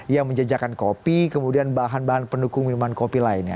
yang menjejakan kopi kemudian bahan bahan pendukung minuman kopi lainnya